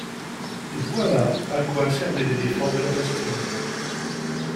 Voilà à quoi servait l’éléphant de la Bastille.